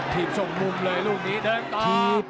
ทีบส่งมุมเลยลูกนี้ดูคู่เรียบของใคร